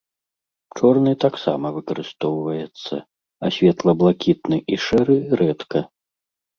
Чорны таксама выкарыстоўваецца, а светла-блакітны і шэры рэдка.